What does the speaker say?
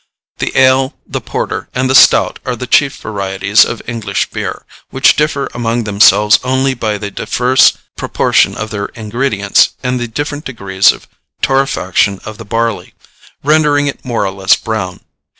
The ale, the porter, and the stout are the chief varieties of English beer, which differ among themselves only by the diverse proportion of their ingredients and the different degrees of torrefaction of the barley, rendering it more or less brown.